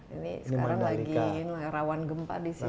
ini sekarang lagi rawan gempa disini